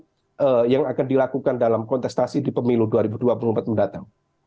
apa yang akan dilakukan dalam kontestasi di pemilu dua ribu dua puluh empat mendatang